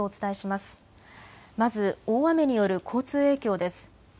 まず大雨による交通影響です。